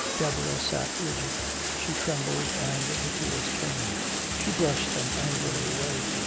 Deborah sat rigid. She trembled and the tears came. She brushed them angrily away.